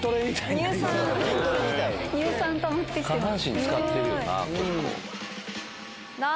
乳酸たまってきてます。